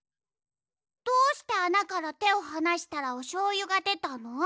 どうしてあなからてをはなしたらおしょうゆがでたの？